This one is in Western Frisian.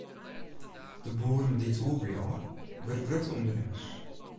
De boeren dy't oerbliuwe, wurde grutte ûndernimmers.